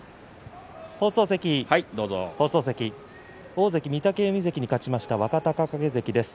大関御嶽海関に勝ちました若隆景関です。